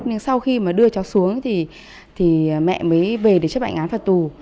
nhưng sau khi mà đưa cháu xuống thì mẹ mới về để chấp hành án phạt tù